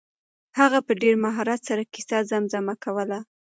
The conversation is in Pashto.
هغه په ډېر مهارت سره کیسه زمزمه کوله.